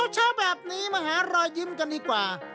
เช้าแบบนี้มาหารอยยิ้มกันดีกว่า